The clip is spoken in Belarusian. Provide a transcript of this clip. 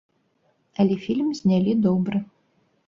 Але фільм знялі добры.